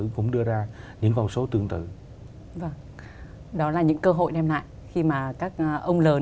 chúng tôi nghĩ rằng là